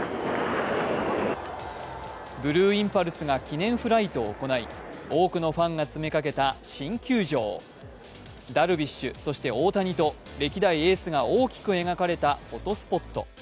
ブルーインパルスが記念フライトを行い、多くのファンが詰めかけた、新球場ダルビッシュ、そして大谷と歴代エースが大きく描かれたフォトスポット。